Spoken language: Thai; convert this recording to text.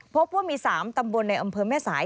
พบว่ามี๓ตำบลในอำเภอแม่สาย